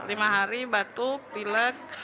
lima hari batuk pilek